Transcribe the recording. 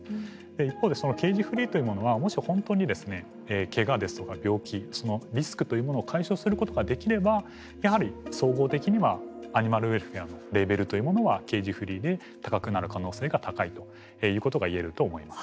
一方でそのケージフリーというものはもし本当にけがですとか病気そのリスクというものを解消することができればやはり総合的にはアニマルウェルフェアのレベルというものはケージフリーで高くなる可能性が高いということが言えると思います。